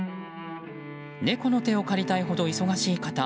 猫の手を借りたいほど忙しい方